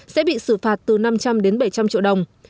sẽ bị xử phạt từ năm trăm linh đến bảy trăm linh triệu đồng